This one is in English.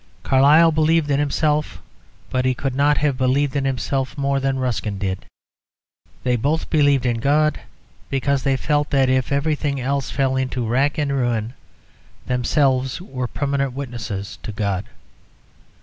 Carlyle believed in himself, but he could not have believed in himself more than Ruskin did; they both believed in God, because they felt that if everything else fell into wrack and ruin, themselves were permanent witnesses to God.